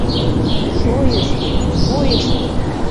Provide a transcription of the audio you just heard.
— Шойыштыт, шойыштыт!